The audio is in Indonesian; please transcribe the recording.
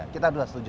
kita dua setuju